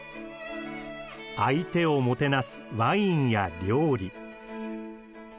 相手をもてなすワインや料理。